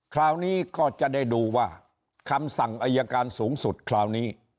คราวนี้ก็จะได้ดูว่าคำสั่งอายการสูงสุดคราวนี้